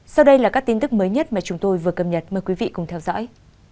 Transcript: sau đây là các tin tức mới nhất mà chúng tôi vừa cập nhật mời quý vị cùng theo dõi